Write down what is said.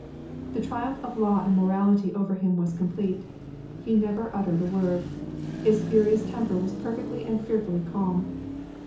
The triumph of law and morality over him was complete. He never uttered a word. His furious temper was perfectly and fearfully calm.